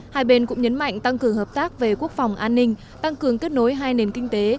hai bên cũng nhấn mạnh tăng cường hợp tác về quốc phòng an ninh tăng cường kết nối hai nền kinh tế